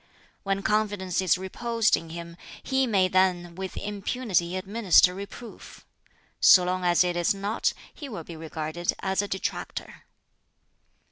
"When confidence is reposed in him, he may then with impunity administer reproof; so long as it is not, he will be regarded as a detractor.